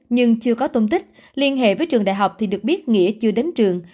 nhưng chưa có tôn tích liên hệ với trường đại học thì được biết nghĩa chưa đến trường